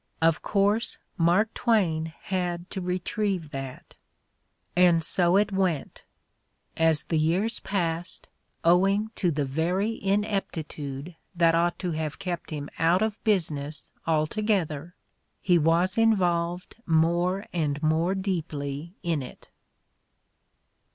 Of course Mark Twain had to re trieve that ! And so it went : as the years passed, owing to the very ineptitude that ought to have kept him out of business altogether, he was involved more and more deeply in it.